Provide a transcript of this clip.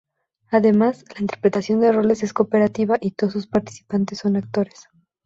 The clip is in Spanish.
Además, la interpretación de roles es cooperativa y todos sus participantes son actores.